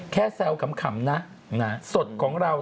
แซวขำนะสดของเรา